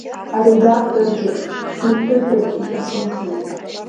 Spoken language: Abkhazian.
Аредакторгьы сицәыӡыр иҭахымхеит.